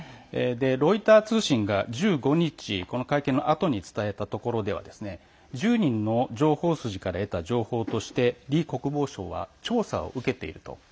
ロイター通信が１５日、この会見のあとに伝えたところでは１０人の情報筋から得た情報として、李国防相は調査を受けていると。